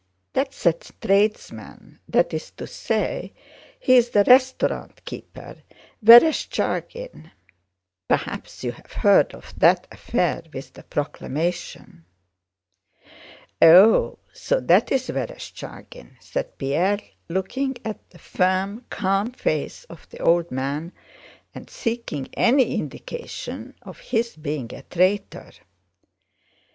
That's a tradesman, that is to say, he's the restaurant keeper, Vereshchágin. Perhaps you have heard of that affair with the proclamation." "Oh, so that is Vereshchágin!" said Pierre, looking at the firm, calm face of the old man and seeking any indication of his being a traitor.